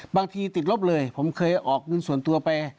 บางทีติดลบเลยผมเคยออกเงินส่วนตัวไป